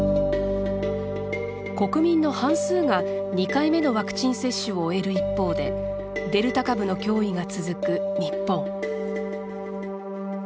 国民の半数が２回目のワクチン接種を終える一方でデルタ株の脅威が続く日本。